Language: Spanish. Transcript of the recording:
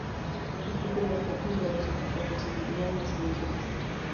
Cumplido el objetivo, los equipos recibirían la siguiente pista.